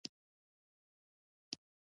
مؤمن تل د بل د ښېګڼې هیله لري.